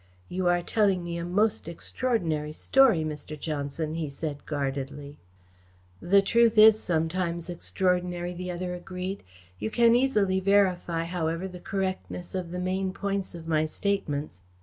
"You are telling me a most extraordinary story, Mr. Johnson," he said guardedly. "The truth is sometimes extraordinary," the other agreed. "You can easily verify, however, the correctness of the main points of my statements.